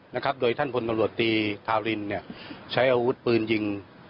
นะครับโดยท่านพลตำรวจตีทารินเนี่ยใช้อาวุธปืนยิง